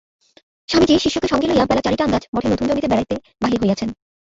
স্বামীজী শিষ্যকে সঙ্গে লইয়া বেলা চারিটা আন্দাজ মঠের নূতন জমিতে বেড়াইতে বাহির হইয়াছেন।